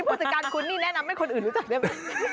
ผู้จัดการคุณนี่แนะนำให้คนอื่นรู้จักได้ไหม